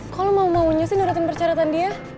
kalo mau maunya sih nurutin percaratan dia